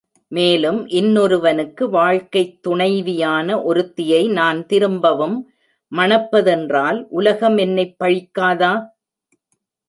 மேலும் இன்னொருவனுக்கு வாழ்க்கைத் துணைவியான ஒருத்தியை நான் திரும்பவும் மணப்பதென்றால் உலகம் என்னைப் பழிக்காதா?